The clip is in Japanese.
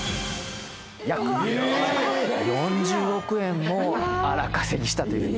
約４０億円も荒稼ぎしたというふうに。